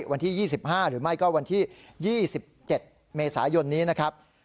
วันที่๒๕หรือไม่ก็วันที่๒๗เมษายนนี้นะครับ